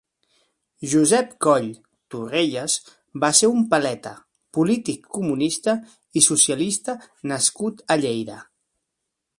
Josep Coll Torrelles va ser un paleta, polític comunista i socialista nascut a Lleida.